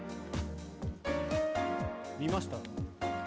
見ました？